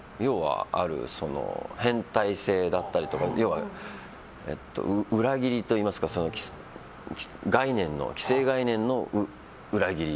変態性だったりとか要は、裏切りといいますか既成概念の裏切り。